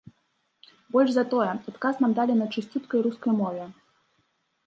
Больш за тое, адказ нам далі на чысцюткай рускай мове.